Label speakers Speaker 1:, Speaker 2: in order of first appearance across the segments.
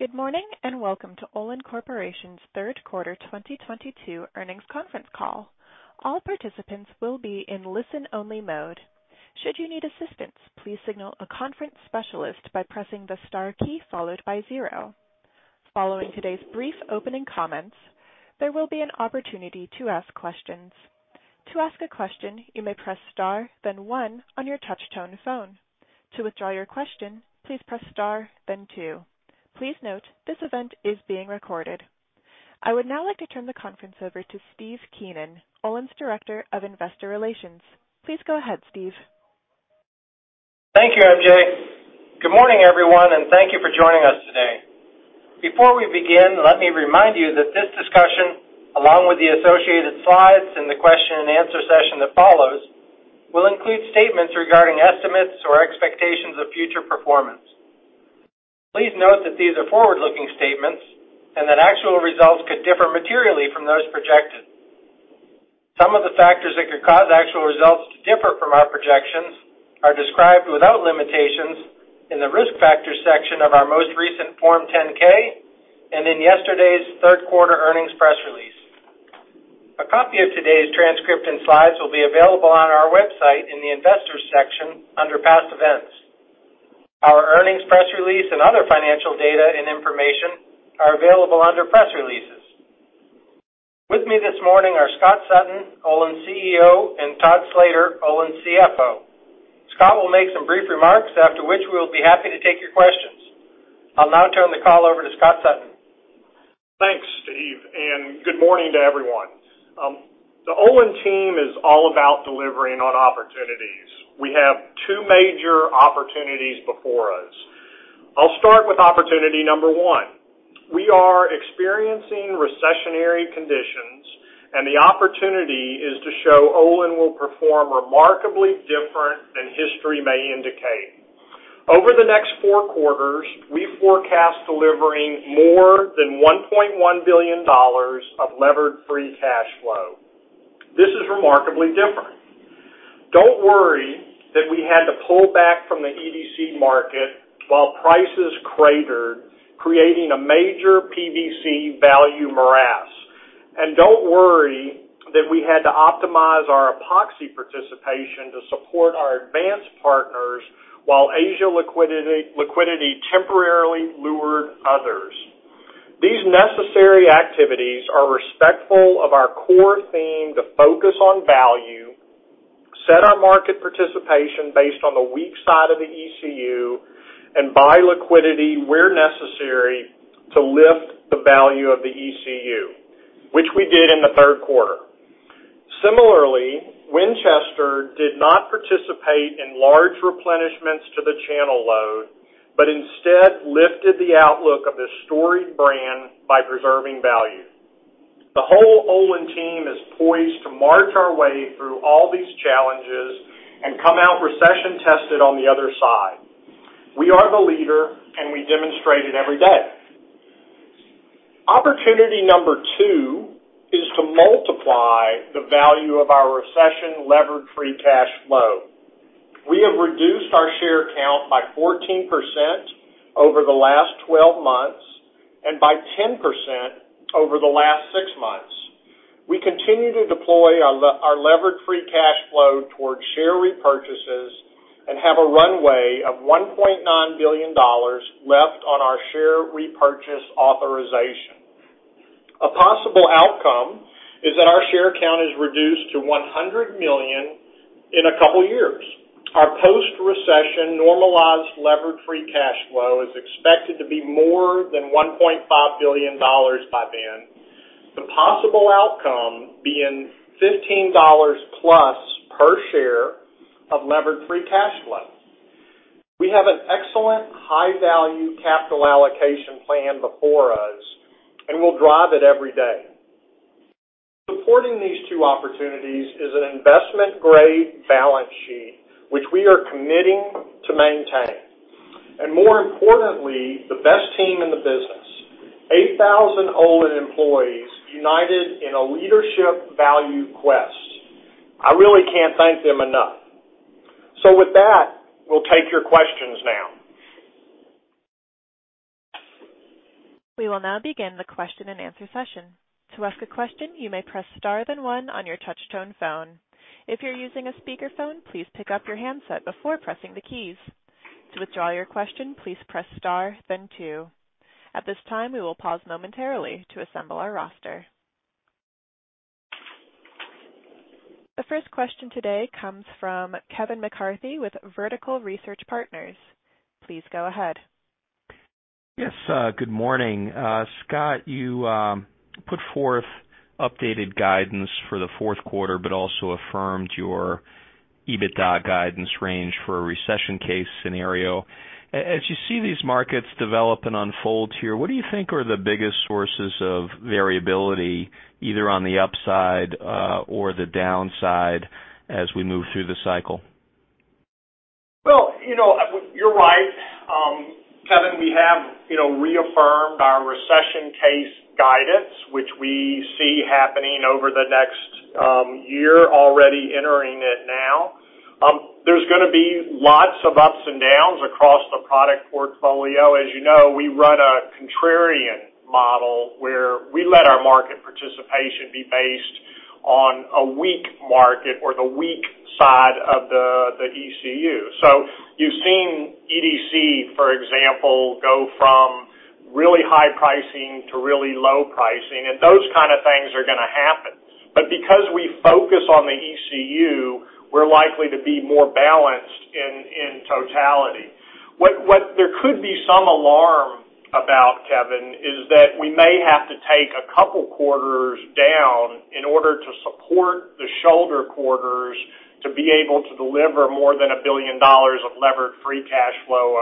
Speaker 1: Good morning, and welcome to Olin Corporation's third quarter 2022 earnings conference call. All participants will be in listen-only mode. Should you need assistance, please signal a conference specialist by pressing the star key followed by zero. Following today's brief opening comments, there will be an opportunity to ask questions. To ask a question, you may press star, then one on your touchtone phone. To withdraw your question, please press star then two. Please note, this event is being recorded. I would now like to turn the conference over to Steve Keenan, Olin's Director of Investor Relations. Please go ahead, Steve.
Speaker 2: Thank you, MJ. Good morning, everyone, and thank you for joining us today. Before we begin, let me remind you that this discussion, along with the associated slides and the question and answer session that follows, will include statements regarding estimates or expectations of future performance. Please note that these are forward-looking statements and that actual results could differ materially from those projected. Some of the factors that could cause actual results to differ from our projections are described without limitations in the Risk Factors section of our most recent Form 10-K and in yesterday's third quarter earnings press release. A copy of today's transcript and slides will be available on our website in the Investors section under Past Events. Our earnings press release and other financial data and information are available under Press Releases. With me this morning are Scott Sutton, Olin's CEO, and Todd Slater, Olin's CFO. Scott will make some brief remarks, after which we will be happy to take your questions. I'll now turn the call over to Scott Sutton.
Speaker 3: Thanks, Steve, and good morning to everyone. The Olin team is all about delivering on opportunities. We have two major opportunities before us. I'll start with opportunity number one. We are experiencing recessionary conditions, and the opportunity is to show Olin will perform remarkably different than history may indicate. Over the next four quarters, we forecast delivering more than $1.1 billion of levered free cash flow. This is remarkably different. Don't worry that we had to pull back from the EDC market while prices cratered, creating a major PVC value morass. Don't worry that we had to optimize our epoxy participation to support our advanced partners while Asia liquidity temporarily lured others. These necessary activities are respectful of our core theme to focus on value, set our market participation based on the weak side of the ECU, and buy liquidity where necessary to lift the value of the ECU, which we did in the third quarter. Similarly, Winchester did not participate in large replenishments to the channel load, but instead lifted the outlook of this storied brand by preserving value. The whole Olin team is poised to march our way through all these challenges and come out recession-tested on the other side. We are the leader, and we demonstrate it every day. Opportunity number two is to multiply the value of our recession levered free cash flow. We have reduced our share count by 14% over the last 12 months and by 10% over the last six months. We continue to deploy our levered free cash flow towards share repurchases and have a runway of $1.9 billion left on our share repurchase authorization. A possible outcome is that our share count is reduced to 100 million in a couple years. Our post-recession normalized levered free cash flow is expected to be more than $1.5 billion by then, the possible outcome being $15+ per share of levered free cash flow. We have an excellent high-value capital allocation plan before us, and we'll drive it every day. Supporting these two opportunities is an investment-grade balance sheet, which we are committing to maintain, and more importantly, the best team in the business. 8,000 Olin employees united in a leadership value quest. I really can't thank them enough. With that, we'll take your questions now.
Speaker 1: We will now begin the question-and-answer session. To ask a question, you may press star then one on your touchtone phone. If you're using a speakerphone, please pick up your handset before pressing the keys. To withdraw your question, please press star then two. At this time, we will pause momentarily to assemble our roster. The first question today comes from Kevin McCarthy with Vertical Research Partners. Please go ahead.
Speaker 4: Yes, good morning. Scott, you put forth updated guidance for the fourth quarter, but also affirmed your EBITDA guidance range for a recession case scenario. As you see these markets develop and unfold here, what do you think are the biggest sources of variability, either on the upside, or the downside as we move through the cycle?
Speaker 3: Well, you know, you're right. Kevin, we have, you know, reaffirmed our recession case guidance, which we see happening over the next year, already entering it now. There's gonna be lots of ups and downs across the product portfolio. As you know, we run a contrarian model where we let our market participation be based on a weak market or the weak side of the ECU. You've seen EDC, for example, go from really high pricing to really low pricing, and those kind of things are gonna happen. Because we focus on the ECU, we're likely to be more balanced in totality. What there could be some alarm about, Kevin, is that we may have to take a couple quarters down in order to support the shoulder quarters to be able to deliver more than $1 billion of levered free cash flow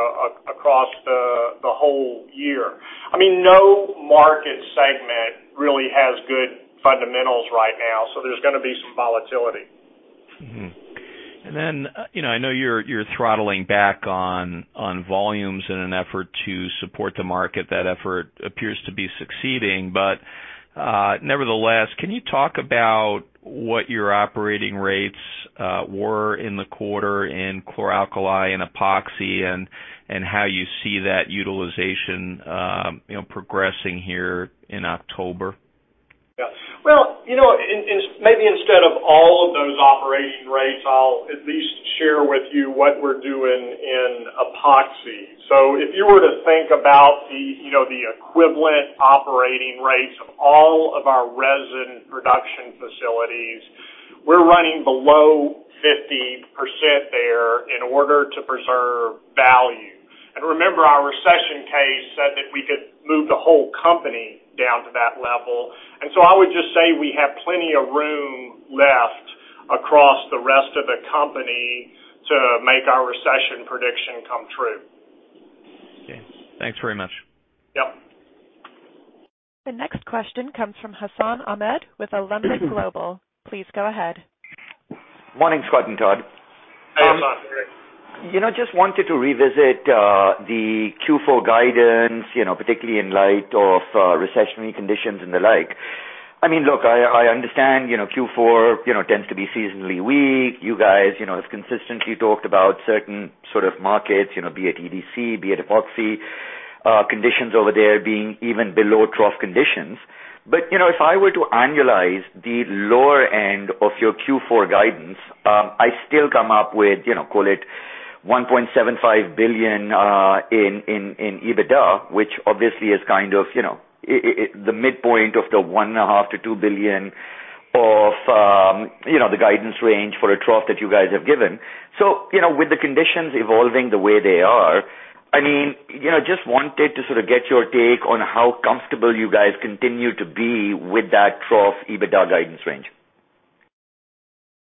Speaker 3: across the whole year. I mean, no market segment really has good fundamentals right now, so there's gonna be some volatility.
Speaker 4: Mm-hmm. You know, I know you're throttling back on volumes in an effort to support the market. That effort appears to be succeeding. Nevertheless, can you talk about what your operating rates were in the quarter in chlor-alkali and Epoxy and how you see that utilization, you know, progressing here in October?
Speaker 3: Yeah. Well, you know, maybe instead of all of those operating rates, I'll at least share with you what we're doing in Epoxy. If you were to think about the, you know, the equivalent operating rates of all of our resin production facilities, we're running below 50% there in order to preserve value. Remember our recession case said that we could move the whole company down to that level. I would just say we have plenty of room left across the rest of the company to make our recession prediction come true.
Speaker 4: Okay. Thanks very much.
Speaker 3: Yep.
Speaker 1: The next question comes from Hassan Ahmed with Alembic Global Advisors. Please go ahead.
Speaker 5: Morning, Scott and Todd.
Speaker 3: Hey, Hassan. How are you?
Speaker 5: You know, just wanted to revisit the Q4 guidance, you know, particularly in light of recessionary conditions and the like. I mean, look, I understand, you know, Q4, you know, tends to be seasonally weak. You guys, you know, have consistently talked about certain sort of markets, you know, be it EDC, be it Epoxy, conditions over there being even below trough conditions. You know, if I were to annualize the lower end of your Q4 guidance, I still come up with, you know, call it $1.75 billion in EBITDA, which obviously is kind of, you know, the midpoint of the $1.5 billion-$2 billion of, you know, the guidance range for a trough that you guys have given. You know, with the conditions evolving the way they are, I mean, you know, just wanted to sort of get your take on how comfortable you guys continue to be with that trough EBITDA guidance range?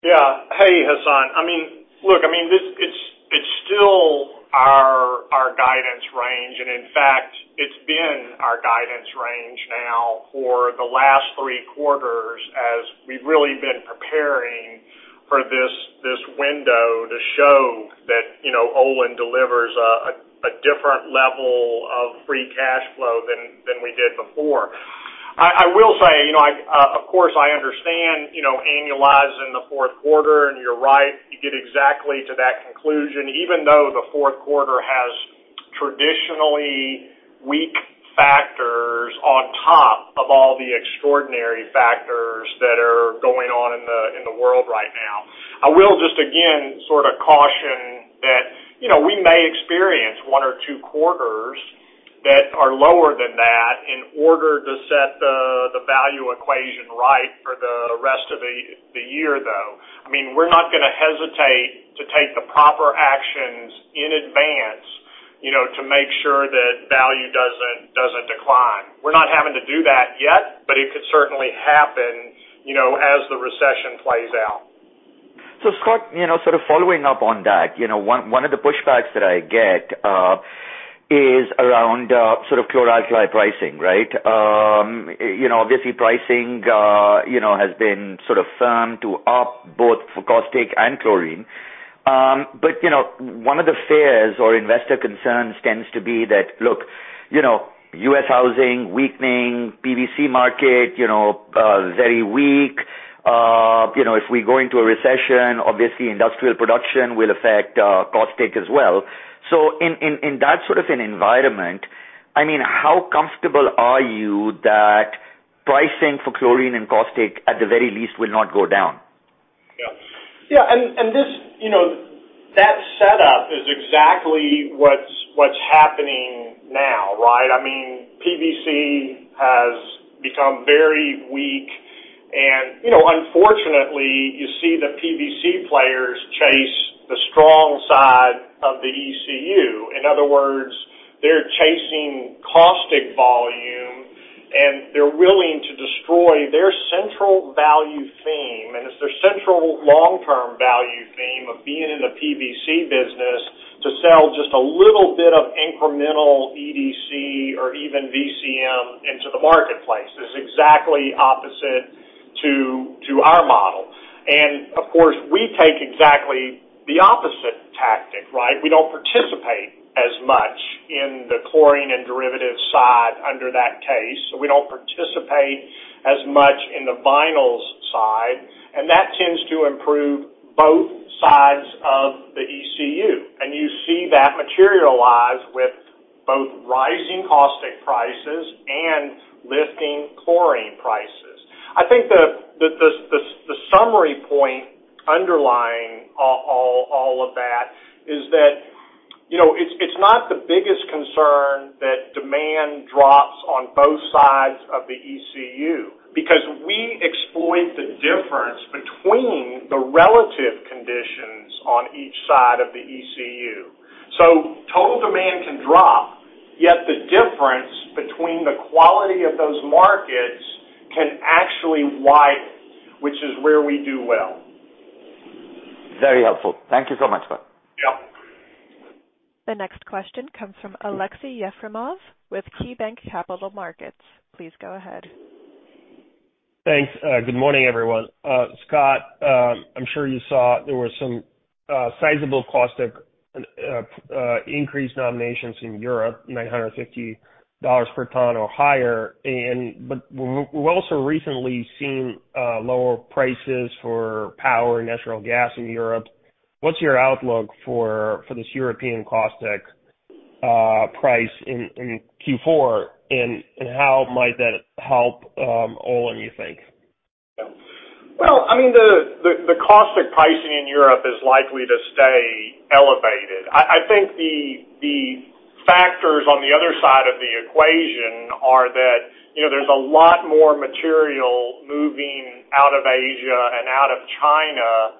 Speaker 3: Yeah. Hey, Hassan. I mean, look, this, it's still our guidance range. In fact, it's been our guidance range now for the last three quarters as we've really been preparing for this window to show that, you know, Olin delivers a different level of free cash flow than we did before. I will say, you know, of course I understand, you know, annualizing the fourth quarter, and you're right, you get exactly to that conclusion, even though the fourth quarter has traditionally weak factors on top of all the extraordinary factors that are going on in the world right now. I will just again sort of caution that, you know, we may experience one or two quarters that are lower than that in order to set the value equation right for the rest of the year, though. I mean, we're not gonna hesitate to take the proper actions in advance, you know, to make sure that value doesn't decline. We're not having to do that yet, but it could certainly happen, you know, as the recession plays out.
Speaker 5: Scott, you know, sort of following up on that, you know, one of the pushbacks that I get is around sort of chlor-alkali pricing, right? You know, obviously pricing, you know, has been sort of firm to up both for caustic and chlorine. You know, one of the fears or investor concerns tends to be that, look, you know, U.S. housing weakening, PVC market, you know, very weak. You know, if we go into a recession, obviously industrial production will affect caustic as well. In that sort of an environment, I mean, how comfortable are you that pricing for chlorine and caustic at the very least will not go down?
Speaker 3: Yeah, and this, you know, that setup is exactly what's happening now, right? I mean, PVC has become very weak and, you know, unfortunately, you see the PVC players chase the strong side of the ECU. In other words, they're chasing caustic volume, and they're willing to destroy their central value theme, and it's their central long-term value theme of being in the PVC business to sell just a little bit of incremental EDC or even VCM into the marketplace. It's exactly opposite to our model. Of course, we take exactly the opposite tactic, right? We don't participate as much in the chlorine and derivative side under that case. We don't participate as much in the vinyls side, and that tends to improve both ECU. You see that materialize with both rising caustic prices and lifting chlorine prices. I think the summary point underlying all of that is that, you know, it's not the biggest concern that demand drops on both sides of the ECU because we exploit the difference between the relative conditions on each side of the ECU. Total demand can drop, yet the difference between the quality of those markets can actually widen, which is where we do well.
Speaker 5: Very helpful. Thank you so much, Scott.
Speaker 3: Yeah.
Speaker 1: The next question comes from Aleksey Yefremov with KeyBanc Capital Markets. Please go ahead.
Speaker 6: Thanks. Good morning, everyone. Scott, I'm sure you saw there were some sizable caustic increase nominations in Europe, $950 per ton or higher. But we've also recently seen lower prices for power and natural gas in Europe. What's your outlook for this European caustic price in Q4? And how might that help Olin, you think?
Speaker 3: Well, I mean, the caustic pricing in Europe is likely to stay elevated. I think the factors on the other side of the equation are that, you know, there's a lot more material moving out of Asia and out of China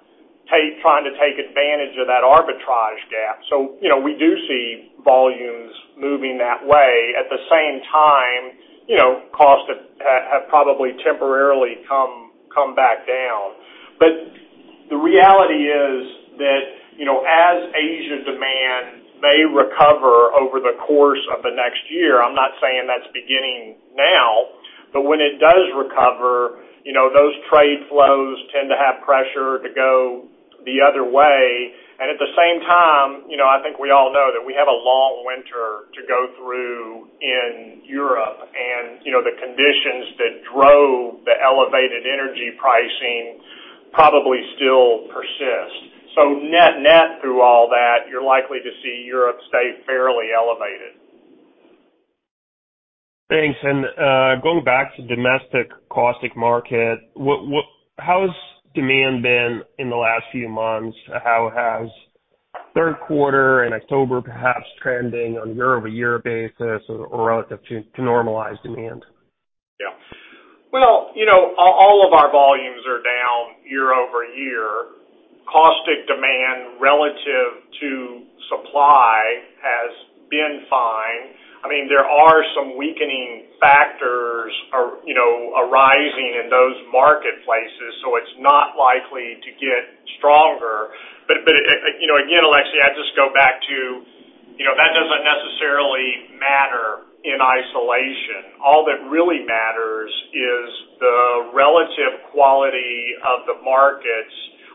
Speaker 3: trying to take advantage of that arbitrage gap. So, you know, we do see volumes moving that way. At the same time, you know, costs have probably temporarily come back down. But the reality is that, you know, as Asia demand may recover over the course of the next year, I'm not saying that's beginning now, but when it does recover, you know, those trade flows tend to have pressure to go the other way. At the same time, you know, I think we all know that we have a long winter to go through in Europe. You know, the conditions that drove the elevated energy pricing probably still persist. Net-net through all that, you're likely to see Europe stay fairly elevated.
Speaker 6: Thanks. Going back to domestic caustic market, how has demand been in the last few months? How has third quarter and October perhaps trending on a year-over-year basis or relative to normalized demand?
Speaker 3: Yeah. Well, you know, all of our volumes are down year-over-year. Caustic demand relative to supply has been fine. I mean, there are some weakening factors, you know, arising in those marketplaces, so it's not likely to get stronger. You know, again, Aleksey, I just go back to, you know, that doesn't necessarily matter in isolation. All that really matters is the relative quality of the markets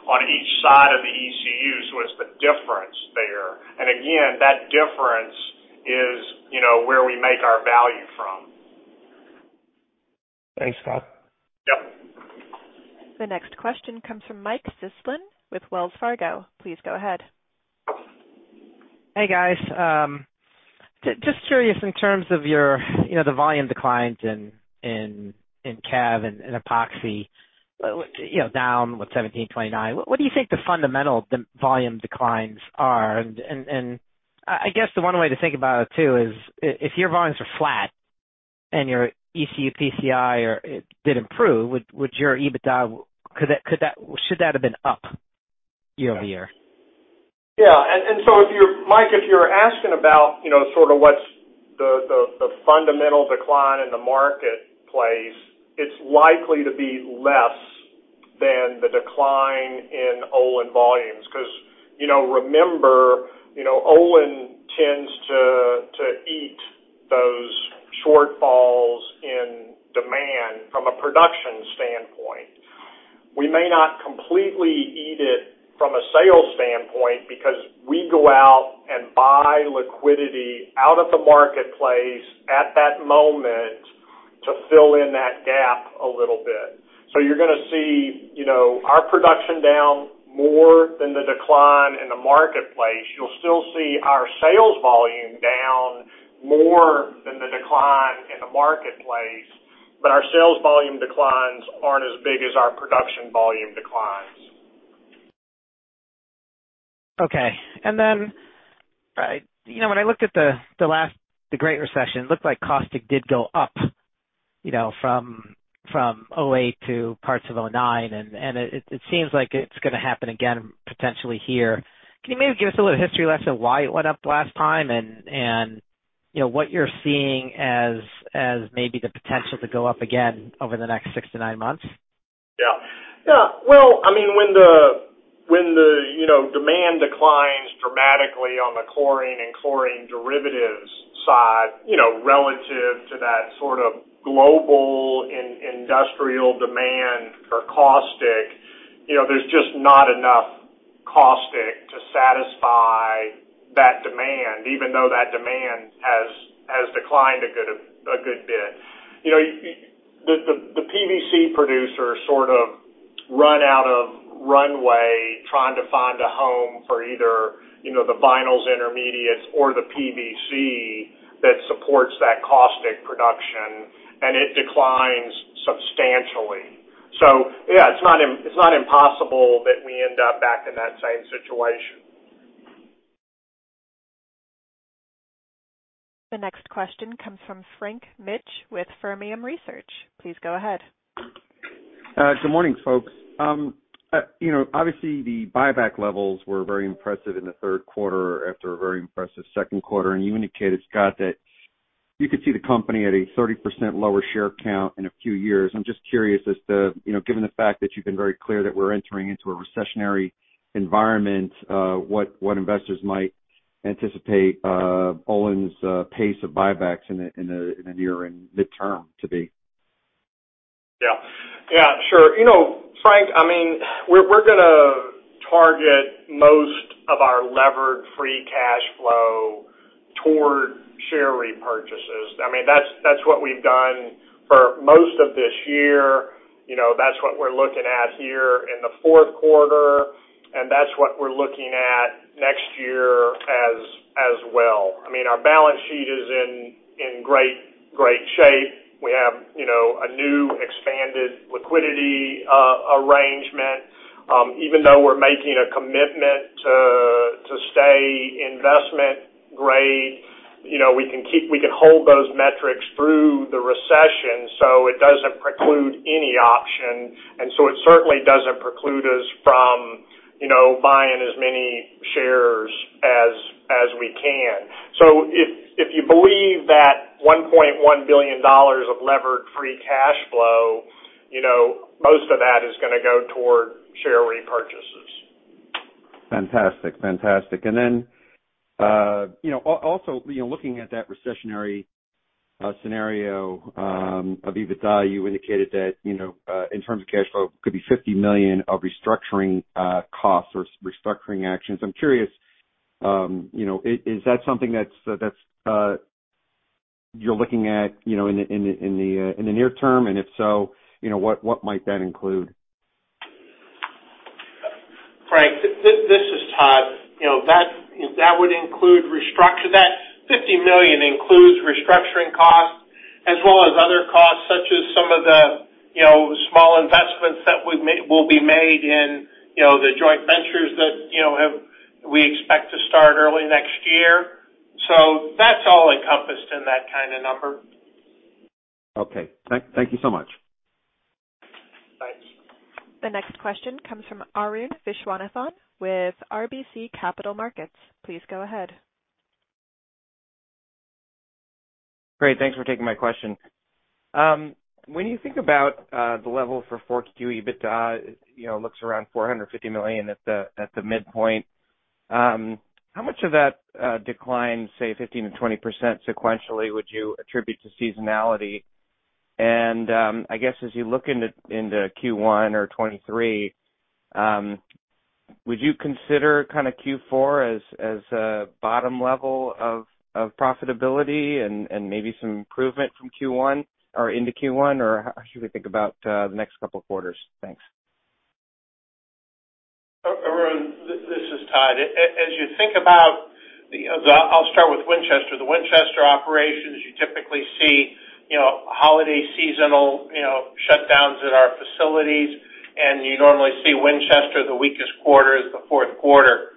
Speaker 3: on each side of the ECU. It's the difference there. Again, that difference is, you know, where we make our value from.
Speaker 6: Thanks, Scott.
Speaker 3: Yeah.
Speaker 1: The next question comes from Michael Sison with Wells Fargo. Please go ahead.
Speaker 7: Hey, guys. Just curious in terms of your, you know, the volume declines in CAV and Epoxy, you know, down what? 17%-29%. What do you think the fundamentals of the volume declines are? I guess one way to think about it too is if your volumes are flat and your ECU price it did improve, would your EBITDA, could that should that have been up year-over-year?
Speaker 3: Yeah. So if you're—Michael Sison, if you're asking about, you know, sort of what's the fundamental decline in the marketplace, it's likely to be less than the decline in Olin volumes. 'Cause, you know, remember, you know, Olin tends to eat those shortfalls in demand from a production standpoint. We may not completely eat it from a sales standpoint because we go out and buy liquidity out of the marketplace at that moment to fill in that gap a little bit. You're gonna see, you know, our production down more than the decline in the marketplace. You'll still see our sales volume down more than the decline in the marketplace. Our sales volume declines aren't as big as our production volume declines.
Speaker 7: Okay. Then, you know, when I looked at the Great Recession, it looked like caustic did go up, you know, from 2008 to parts of 2009. It seems like it's gonna happen again potentially here. Can you maybe give us a little history lesson why it went up last time and, you know, what you're seeing as maybe the potential to go up again over the next six to nine months?
Speaker 3: Yeah. Yeah. Well, I mean, when the you know, demand declines dramatically on the chlorine and chlorine derivatives side, you know, relative to that sort of global industrial demand for caustic, you know, there's just not enough caustic to satisfy that demand, even though that demand has declined a good bit. You know, the PVC producers sort of run out of runway trying to find a home for either, you know, the vinyls intermediates or the PVC that supports that caustic production, and it declines substantially. Yeah, it's not impossible that we end up back in that same situation.
Speaker 1: The next question comes from Frank Mitsch with Fermium Research. Please go ahead.
Speaker 8: Good morning, folks. You know, obviously the buyback levels were very impressive in the third quarter after a very impressive second quarter. You indicated, Scott, that you could see the company at a 30% lower share count in a few years. I'm just curious as to, you know, given the fact that you've been very clear that we're entering into a recessionary environment, what investors might anticipate Olin's pace of buybacks in the near and midterm to be.
Speaker 3: Yeah. Yeah, sure. You know, Frank, I mean, we're gonna target most of our levered free cash flow toward share repurchases. I mean, that's what we've done for most of this year. You know, that's what we're looking at here in the fourth quarter, and that's what we're looking at next year as well. I mean, our balance sheet is in great shape. We have, you know, a new expanded liquidity arrangement. Even though we're making a commitment to stay investment grade, you know, we can hold those metrics through the recession, so it doesn't preclude any option. It certainly doesn't preclude us from, you know, buying as many shares as we can. If you believe that $1.1 billion of levered free cash flow, you know, most of that is gonna go toward share repurchases.
Speaker 8: Fantastic. You know, also, you know, looking at that recessionary scenario, EBITDA, you indicated that, you know, in terms of cash flow, could be $50 million of restructuring costs or restructuring actions. I'm curious, you know, is that something that's that's you're looking at, you know, in the near term? If so, you know, what might that include?
Speaker 9: Frank, this is Todd. You know, that would include restructuring. That $50 million includes restructuring costs as well as other costs such as some of the, you know, small investments that will be made in, you know, the joint ventures that, you know, we expect to start early next year. That's all encompassed in that kind of number.
Speaker 8: Okay. Thank you so much.
Speaker 3: Thanks.
Speaker 1: The next question comes from Arun Viswanathan with RBC Capital Markets. Please go ahead.
Speaker 10: Great, thanks for taking my question. When you think about the level for 4Q EBITDA, you know, it looks around $450 million at the midpoint. How much of that decline, say 15%-20% sequentially, would you attribute to seasonality? I guess as you look into Q1 or 2023, would you consider kinda Q4 as a bottom level of profitability and maybe some improvement from Q1 or into Q1, or how should we think about the next couple of quarters? Thanks.
Speaker 9: Arun, this is Todd. As you think about the, I'll start with Winchester. The Winchester operations, you typically see, you know, holiday seasonal, you know, shutdowns at our facilities, and you normally see Winchester, the weakest quarter is the fourth quarter.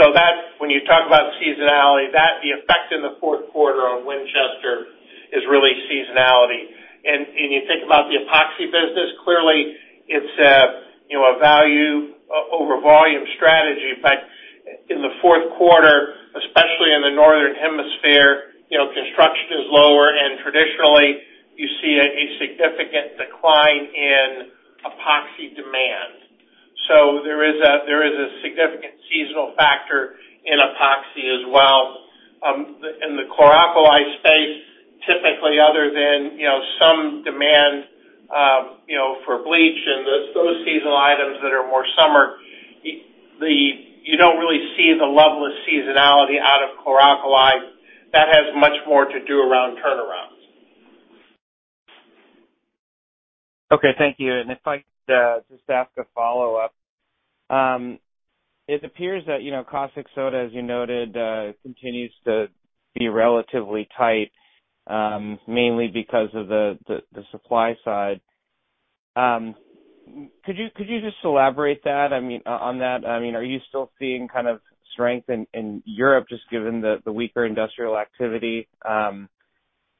Speaker 9: That's when you talk about seasonality, that the effect in the fourth quarter on Winchester is really seasonality. When you think about the Epoxy business, clearly it's a, you know, a value over volume strategy. In the fourth quarter, especially in the northern hemisphere, you know, construction is lower, and traditionally you see a significant decline in Epoxy demand. There is a significant seasonal factor in Epoxy as well. In the chlor-alkali space, typically other than, you know, some demand, you know, for bleach and those seasonal items that are more summer, you don't really see the level of seasonality out of chlor-alkali. That has much more to do around turnarounds.
Speaker 10: Okay. Thank you. If I could just ask a follow-up. It appears that, you know, caustic soda, as you noted, continues to be relatively tight, mainly because of the supply side. Could you just elaborate that? I mean, on that, I mean, are you still seeing kind of strength in Europe just given the weaker industrial activity?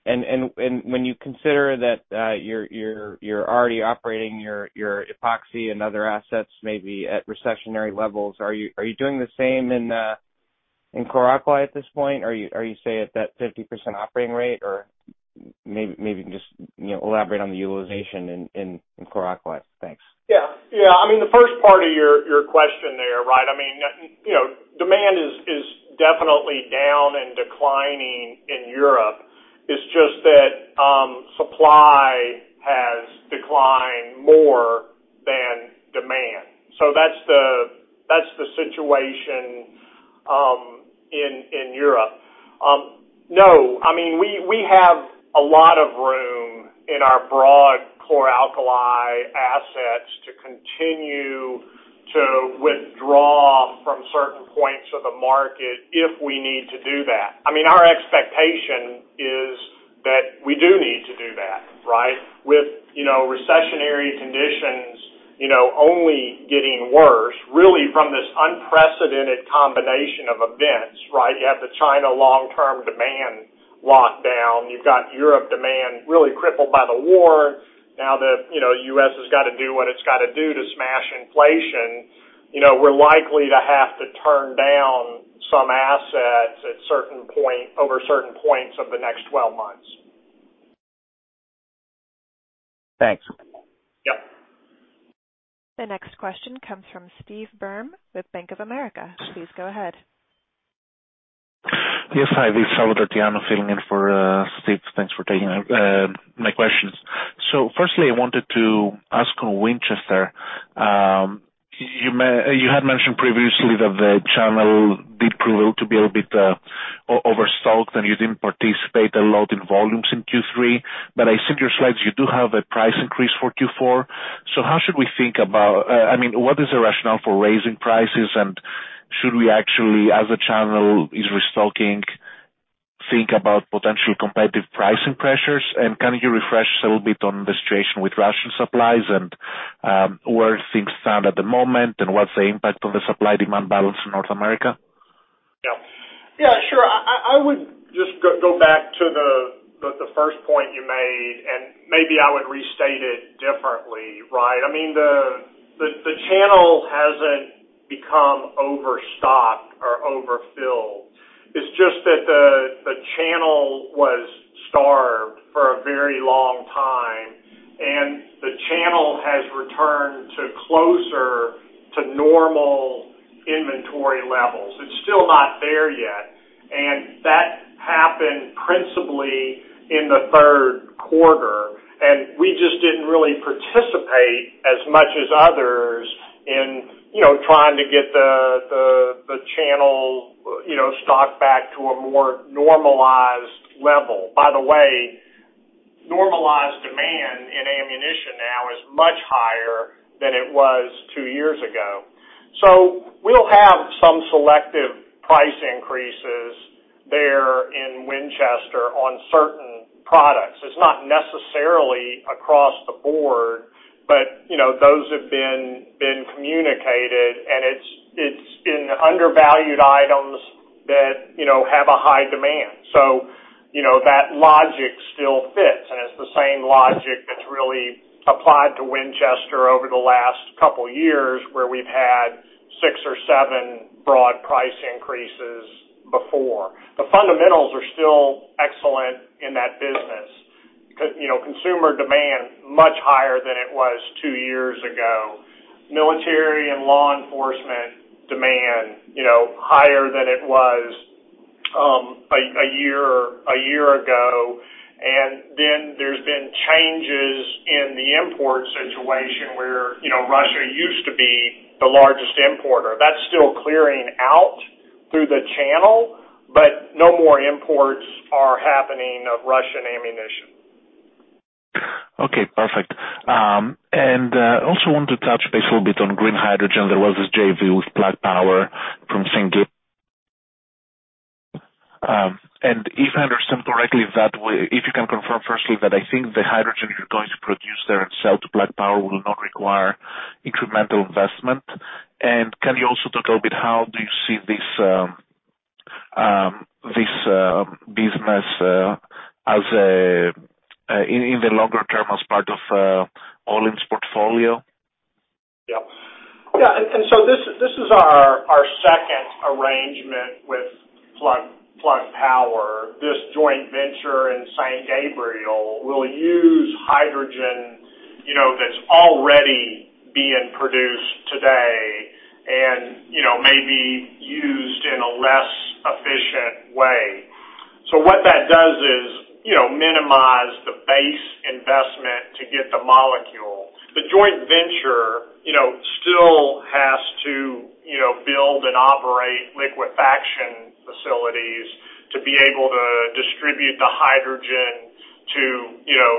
Speaker 10: When you consider that, you're already operating your Epoxy and other assets maybe at recessionary levels, are you doing the same in chlor-alkali at this point? Are you saying at that 50% operating rate or maybe just, you know, elaborate on the utilization in chlor-alkali. Thanks.
Speaker 3: Yeah. Yeah. I mean, the first part of your question there, right? I mean, you know, demand is definitely down and declining in Europe. It's just that, supply has declined more. So that's the situation in Europe. No, I mean, we have a lot of room in our broad chlor-alkali assets to continue to withdraw from certain points of the market if we need to do that. I mean, our expectation is that we do need to do that, right? With, you know, recessionary conditions, you know, only getting worse, really from this unprecedented combination of events, right? You have the China long-term demand lockdown. You've got Europe demand really crippled by the war. Now, you know, the U.S. has got to do what it's got to do to smash inflation. You know, we're likely to have to turn down some assets at certain points over the next 12 months.
Speaker 10: Thanks.
Speaker 3: Yep.
Speaker 1: The next question comes from Steve Byrne with Bank of America. Please go ahead.
Speaker 11: Yes. Hi, this is Salvatore Tiano filling in for Steve. Thanks for taking my questions. Firstly, I wanted to ask on Winchester. You had mentioned previously that the channel did prove to be a little bit overstocked, and you didn't participate a lot in volumes in Q3. I see in your slides you do have a price increase for Q4. How should we think about, I mean, what is the rationale for raising prices, and should we actually, as a channel is restocking, think about potential competitive pricing pressures? Can you refresh a little bit on the situation with Russian supplies and where things stand at the moment, and what's the impact on the supply-demand balance in North America?
Speaker 3: Yeah. Yeah, sure. I would just go back to the first point you made, and maybe I would restate it differently, right? I mean, the channel hasn't become overstocked or overfilled. It's just that the channel was starved for a very long time, and the channel has returned to closer to normal inventory levels. It's still not there yet. That happened principally in the third quarter. We just didn't really participate as much as others in, you know, trying to get the channel, you know, stocked back to a more normalized level. By the way, normalized demand in ammunition now is much higher than it was two years ago. We'll have some selective price increases there in Winchester on certain products. It's not necessarily across the board, but you know, those have been communicated, and it's been undervalued items that you know have a high demand. You know, that logic still fits, and it's the same logic that's really applied to Winchester over the last couple years, where we've had six or seven broad price increases before. The fundamentals are still excellent in that business. You know, consumer demand much higher than it was two years ago. Military and law enforcement demand you know higher than it was a year ago. Then there's been changes in the import situation where you know Russia used to be the largest importer. That's still clearing out through the channel, but no more imports are happening of Russian ammunition.
Speaker 11: Okay. Perfect. Also want to touch base a little bit on green hydrogen. There was this JV with Plug Power from St. Gabriel. If you can confirm firstly that I think the hydrogen you are going to produce there and sell to Plug Power will not require incremental investment. Can you also talk a little bit how do you see this business in the longer term as part of Olin's portfolio?
Speaker 3: Yeah, this is our second arrangement with Plug Power. This joint venture in St. Gabriel will use hydrogen, you know, that's already being produced today and, you know, may be used in a less efficient way. What that does is, you know, minimize the base investment to get the molecule. The joint venture, you know, still has to, you know, build and operate liquefaction facilities to be able to distribute the hydrogen to, you know,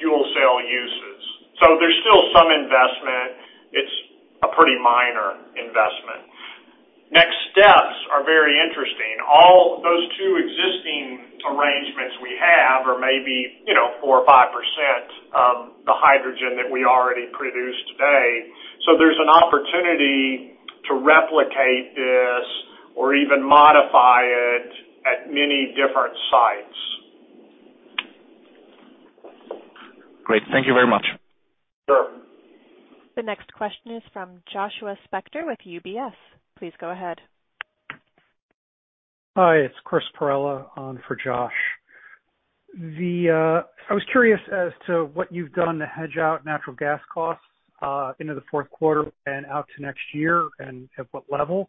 Speaker 3: fuel cell uses. There's still some investment. It's a pretty minor investment. Next steps are very interesting. All those two existing arrangements we have are maybe, you know, 4% or 5% of the hydrogen that we already produce today. There's an opportunity to replicate this or even modify it at many different sites.
Speaker 11: Great. Thank you very much.
Speaker 3: Sure.
Speaker 1: The next question is from Josh Spector with UBS. Please go ahead.
Speaker 12: Hi, it's Chris Perrella on for Josh. I was curious as to what you've done to hedge out natural gas costs into the fourth quarter and out to next year, and at what level?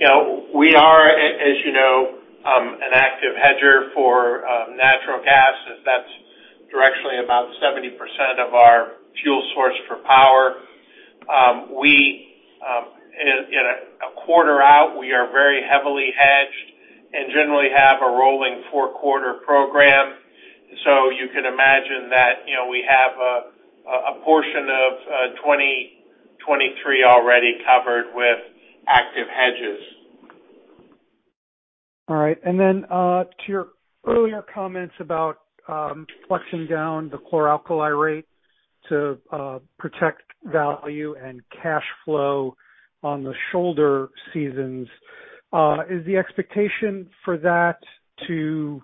Speaker 3: You know, we are, as you know, an active hedger for natural gas, as that's directly about 70% of our fuel source for power. In a quarter out, we are very heavily hedged and generally have a rolling four-quarter program. You can imagine that, you know, we have a portion of 2023 already covered with active hedges.
Speaker 12: All right. To your earlier comments about flexing down the chlor-alkali rate to protect value and cash flow on the shoulder seasons, is the expectation for that to,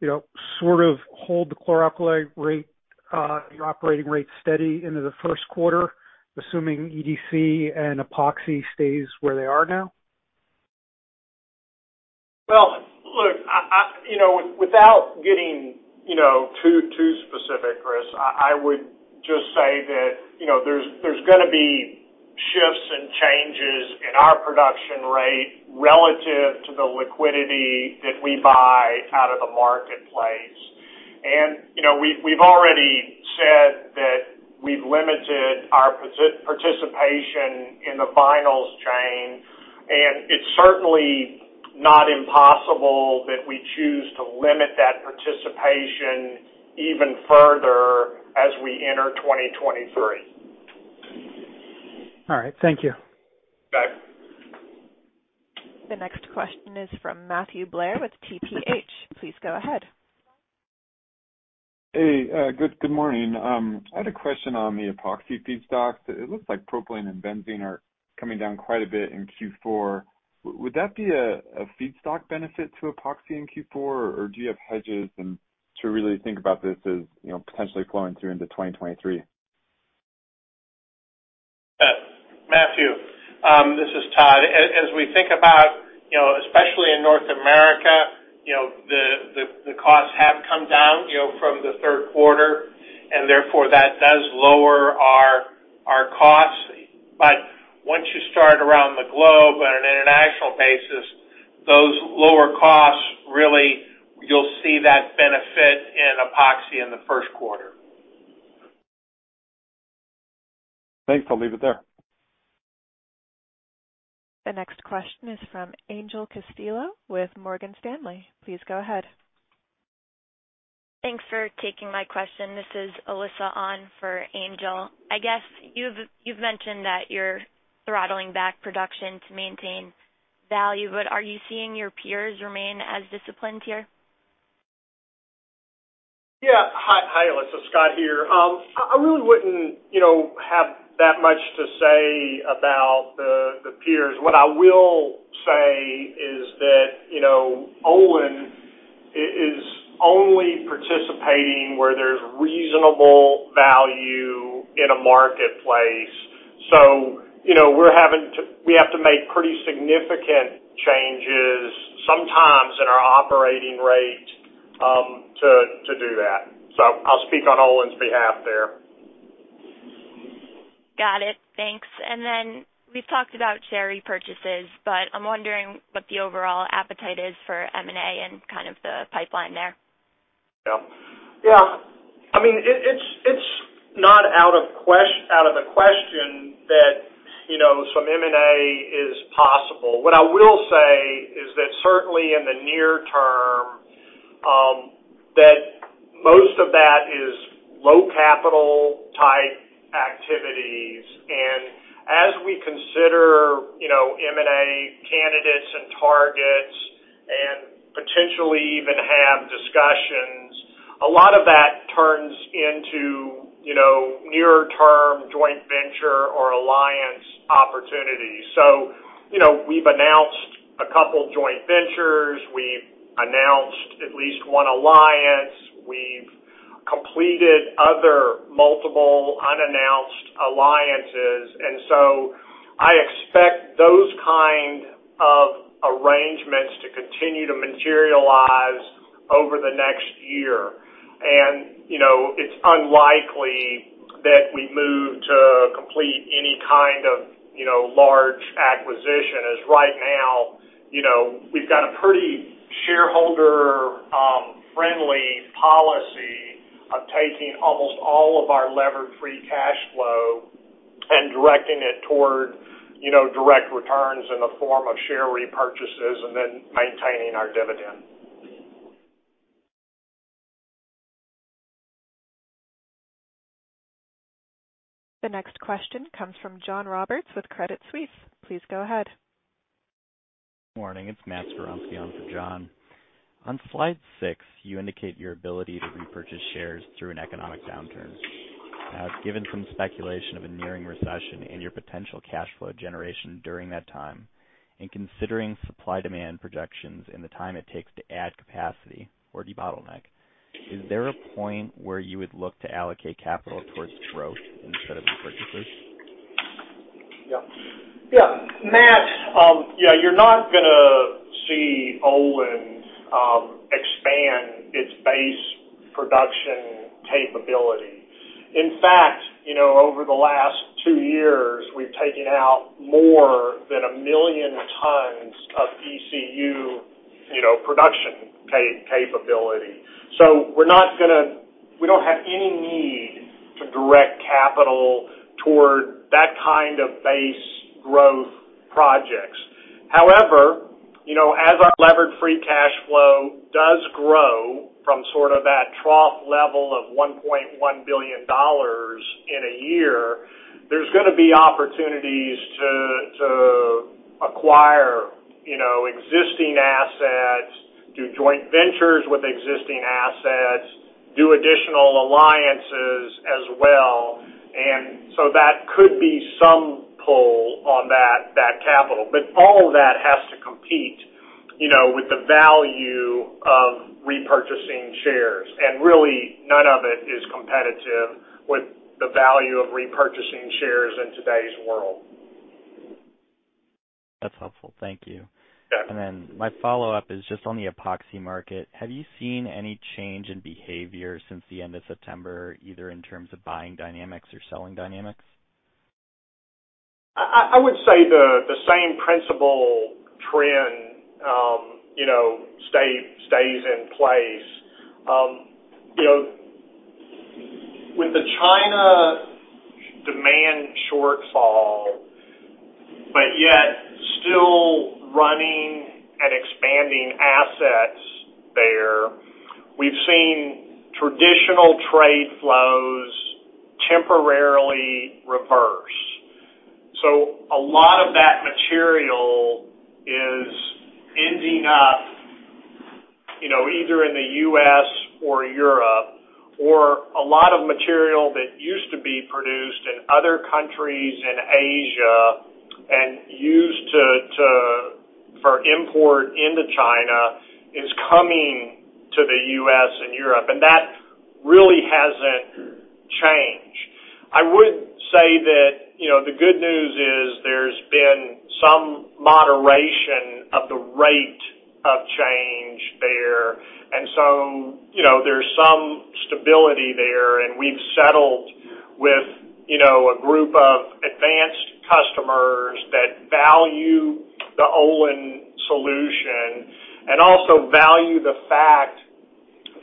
Speaker 12: you know, sort of hold the chlor-alkali rate, the operating rate steady into the first quarter, assuming EDC and Epoxy stays where they are now?
Speaker 3: Well, look, you know, without getting, you know, too specific, Chris, I would just say that, you know, there's gonna be shifts and changes in our production rate relative to the liquidity that we buy out of the marketplace. You know, we've already said that we've limited our participation in the Vinyls chain, and it's certainly not impossible that we choose to limit that participation even further as we enter 2023.
Speaker 12: All right. Thank you.
Speaker 3: You bet.
Speaker 1: The next question is from Matthew Blair with TPH&Co. Please go ahead.
Speaker 13: Hey. Good morning. I had a question on the Epoxy feedstocks. It looks like propylene and benzene are coming down quite a bit in Q4. Would that be a feedstock benefit to Epoxy in Q4, or do you have hedges and to really think about this as, you know, potentially flowing through into 2023?
Speaker 9: Yeah. Matthew, this is Todd. As we think about, you know, especially in North America, you know, the costs have come down, you know, from the third quarter, and therefore that does lower our costs. Once you start around the globe on an international basis, those lower costs really you'll see that benefit in Epoxy in the first quarter.
Speaker 13: Thanks. I'll leave it there.
Speaker 1: The next question is from Angel Castillo with Morgan Stanley. Please go ahead.
Speaker 14: Thanks for taking my question. This is Alyssa on for Angel. I guess you've mentioned that you're throttling back production to maintain value, but are you seeing your peers remain as disciplined here?
Speaker 3: Yeah. Hi, Alyssa, Scott here. I really wouldn't, you know, have that much to say about the peers. What I will say is that, you know, Olin is only participating where there's reasonable value in a marketplace. You know, we have to make pretty significant changes sometimes in our operating rate to do that. I'll speak on Olin's behalf there.
Speaker 14: Got it. Thanks. We've talked about share repurchases, but I'm wondering what the overall appetite is for M&A and kind of the pipeline there.
Speaker 3: Yeah. Yeah. I mean, it's not out of the question that, you know, some M&A is possible. What I will say is that certainly in the near term, that most of that is low capital type activities. As we consider, you know, M&A candidates and targets and potentially even have discussions, a lot of that turns into, you know, near-term joint venture or alliance opportunities. You know, we've announced a couple joint ventures. We've announced at least one alliance. We've completed other multiple unannounced alliances. I expect those kind of arrangements to continue to materialize over the next year. You know, it's unlikely that we move to complete any kind of, you know, large acquisition, as right now, you know, we've got a pretty shareholder-friendly policy of taking almost all of our levered free cash flow and directing it toward, you know, direct returns in the form of share repurchases and then maintaining our dividend.
Speaker 1: The next question comes from John Roberts with Credit Suisse. Please go ahead.
Speaker 15: Morning. It's Matt Garanziano for John. On slide six, you indicate your ability to repurchase shares through an economic downturn. Now, given some speculation of a nearing recession and your potential cash flow generation during that time, and considering supply demand projections and the time it takes to add capacity or debottleneck, is there a point where you would look to allocate capital towards growth instead of repurchases?
Speaker 3: Yeah, Matt Garanziano, yeah, you're not gonna see Olin expansion capability. In fact, you know, over the last two years, we've taken out more than 1 million tons of ECU, you know, production capability. We don't have any need to direct capital toward that kind of base growth projects. However, you know, as our levered free cash flow does grow from sort of that trough level of $1.1 billion in a year, there's gonna be opportunities to acquire, you know, existing assets, do joint ventures with existing assets, do additional alliances as well. That could be some pull on that capital. All of that has to compete, you know, with the value of repurchasing shares. Really none of it is competitive with the value of repurchasing shares in today's world.
Speaker 15: That's helpful. Thank you.
Speaker 3: Yeah.
Speaker 15: My follow-up is just on the Epoxy market. Have you seen any change in behavior since the end of September, either in terms of buying dynamics or selling dynamics?
Speaker 3: I would say the same principal trend stays in place. You know, with the China demand shortfall, but yet still running and expanding assets there, we've seen traditional trade flows temporarily reverse. A lot of that material is ending up, you know, either in the U.S. or Europe, or a lot of material that used to be produced in other countries in Asia and used to for import into China is coming to the U.S. and Europe, and that really hasn't changed. I would say that, you know, the good news is there's been some moderation of the rate of change there, and so, you know, there's some stability there, and we've settled with, you know, a group of advanced customers that value the Olin solution and also value the fact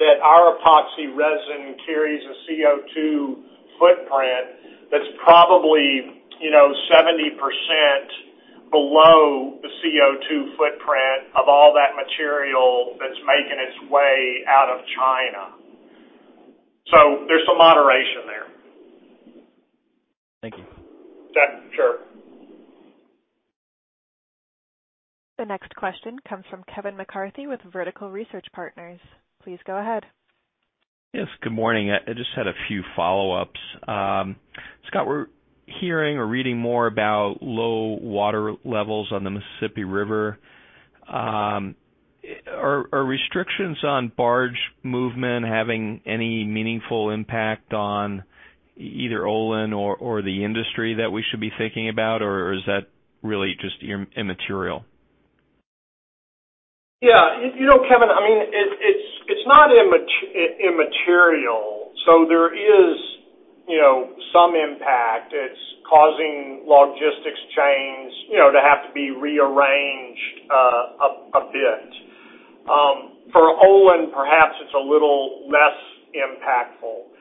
Speaker 3: that our epoxy resin carries a CO2 footprint that's probably, you know, 70% below the CO2 footprint of all that material that's making its way out of China. There's some moderation there.
Speaker 15: Thank you.
Speaker 3: Yeah, sure.
Speaker 1: The next question comes from Kevin McCarthy with Vertical Research Partners. Please go ahead.
Speaker 4: Yes, good morning. I just had a few follow-ups. Scott, we're hearing or reading more about low water levels on the Mississippi River. Are restrictions on barge movement having any meaningful impact on either Olin or the industry that we should be thinking about, or is that really just immaterial?
Speaker 3: Yeah. You know, Kevin, I mean, it's not immaterial, so there is, you know, some impact. It's causing logistics chains, you know, to have to be rearranged, a bit. For Olin, perhaps it's a little less impactful.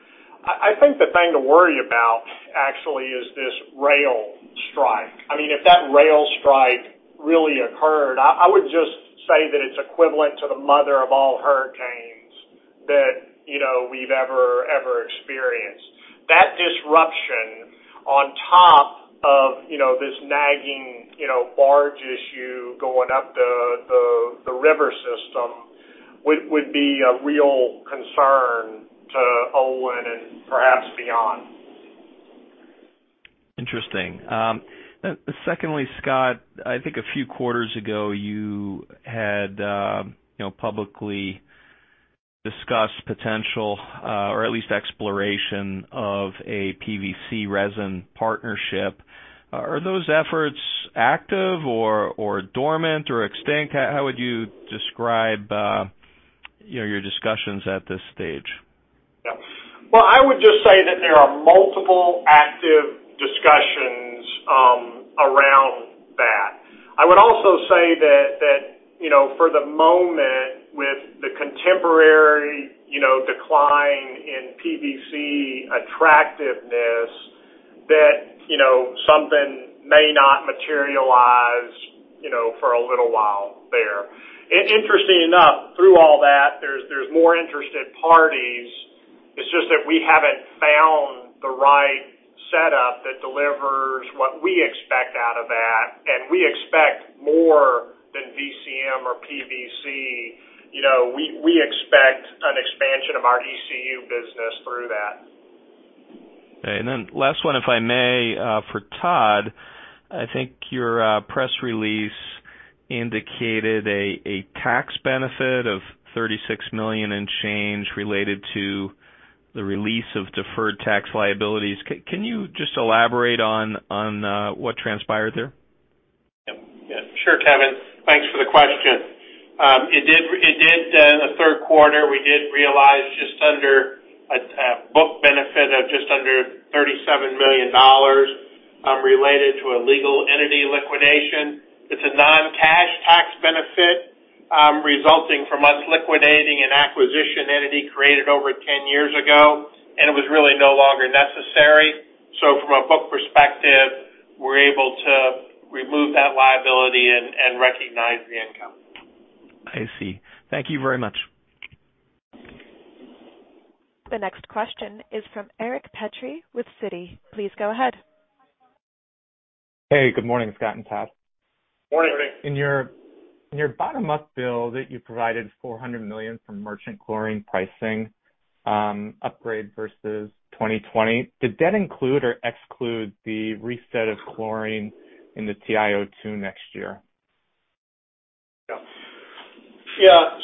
Speaker 3: I think the thing to worry about actually is this rail strike. I mean, if that rail strike really occurred, I would just say that it's equivalent to the mother of all hurricanes that, you know, we've ever experienced. That disruption on top of, you know, this nagging, you know, barge issue going up the river system would be a real concern to Olin and perhaps beyond.
Speaker 4: Interesting. Secondly, Scott, I think a few quarters ago you had, you know, publicly discussed potential or at least exploration of a PVC resin partnership. Are those efforts active or dormant or extinct? How would you describe, you know, your discussions at this stage?
Speaker 3: Yeah. Well, I would just say that there are multiple active discussions around that. I would also say that, you know, for the moment, with the contemporary, you know, decline in PVC attractiveness that, you know, something may not materialize, you know, for a little while there. Interesting enough, through all that, there's more interested parties. It's just that we haven't found the right setup that delivers what we expect out of that, and we expect more than VCM or PVC. You know, we expect an expansion of our ECU business through that.
Speaker 4: Okay. Last one, if I may, for Todd. I think your press release indicated a tax benefit of $36 million and change related to the release of deferred tax liabilities. Can you just elaborate on what transpired there?
Speaker 9: Yeah, sure, Kevin. Thanks for the question. It did in the third quarter, we did realize just under a book benefit of just under $37 million related to a legal entity liquidation. It's a non-cash tax benefit resulting from us liquidating an acquisition entity created over 10 years ago, and it was really no longer necessary. From a book perspective, we're able to remove that liability and recognize the income.
Speaker 4: I see. Thank you very much.
Speaker 1: The next question is from Eric Petrie with Citi. Please go ahead.
Speaker 16: Hey, good morning, Scott and Todd.
Speaker 3: Morning, Eric.
Speaker 16: In your bottom-up build that you provided $400 million from merchant chlorine pricing upgrade versus 2020, did that include or exclude the reset of chlorine in the TiO2 next year?
Speaker 3: Yeah.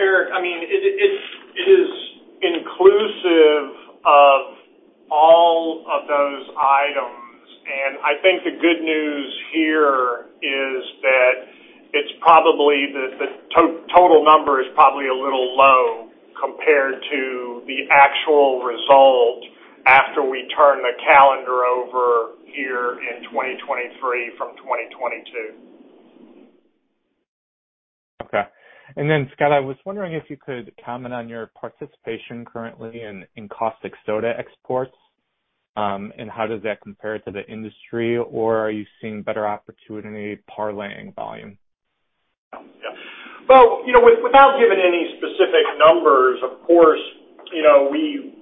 Speaker 3: Eric, I mean, it is inclusive of all of those items. I think the good news here is that it's probably the total number is probably a little low compared to the actual result after we turn the calendar over here in 2023 from 2022.
Speaker 16: Okay. Scott, I was wondering if you could comment on your participation currently in caustic soda exports, and how does that compare to the industry? Or are you seeing better opportunity parlaying volume?
Speaker 3: Yeah. Well, you know, without giving any specific numbers, of course, you know, we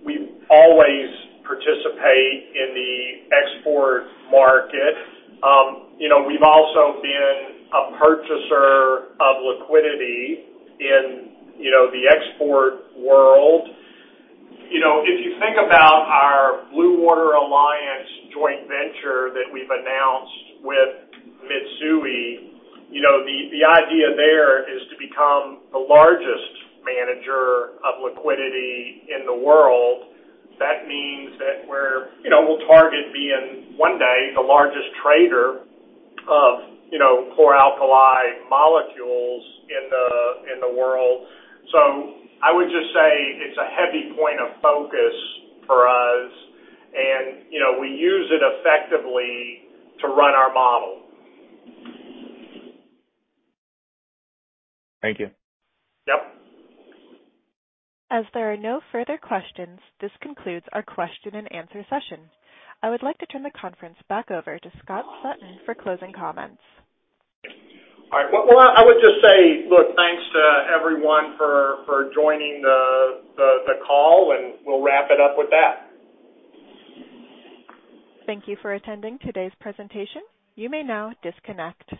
Speaker 3: always participate in the export market. You know, we've also been a purchaser of liquidity in, you know, the export world. You know, if you think about our Blue Water Alliance joint venture that we've announced with Mitsui, you know, the idea there is to become the largest manager of liquidity in the world. That means that we're you know, we'll target being, one day, the largest trader of, you know, chlor-alkali molecules in the world. I would just say it's a heavy point of focus for us and, you know, we use it effectively to run our model.
Speaker 16: Thank you.
Speaker 3: Yep.
Speaker 1: As there are no further questions, this concludes our question and answer session. I would like to turn the conference back over to Scott Sutton for closing comments.
Speaker 3: All right. Well, I would just say, look, thanks to everyone for joining the call, and we'll wrap it up with that.
Speaker 1: Thank you for attending today's presentation. You may now disconnect.